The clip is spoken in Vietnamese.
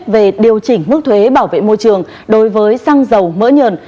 về điều chỉnh mức thuế bảo vệ môi trường đối với xăng dầu mỡ nhờn